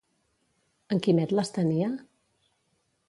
En Quimet les tenia?